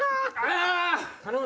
頼む。